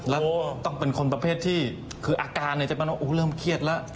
แล้วต้องเป็นคนประเภทที่อาการในจังหวานว่าเริ่มเครียดแล้ว